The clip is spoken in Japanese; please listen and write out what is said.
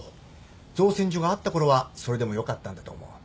造船所があったころはそれでもよかったんだと思う。